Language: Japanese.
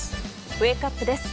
ウェークアップです。